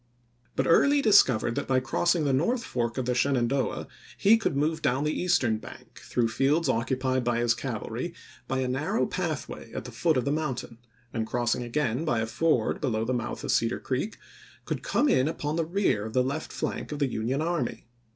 But Early discovered that by crossing the north fork of the Shenandoah he could move down the eastern bank, through fields occupied by his cav alry, by a narrow pathway at the foot of the moun tain, and crossing again by a ford below the mouth of Cedar Creek, could come in upon the rear of the left flank of the Union army.